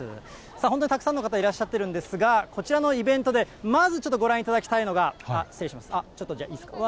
本当にたくさんの方がいらっしゃってるんですが、こちらのイベントでまずちょっとご覧いただきたいのが、失礼します、ちょっといいですか。